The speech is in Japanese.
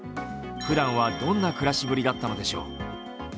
ふだんは、どんな暮らしぶりだったのでしょう。